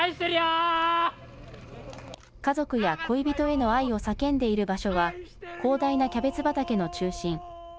家族や恋人への愛を叫んでいる場所は広大なキャベツ畑の中心。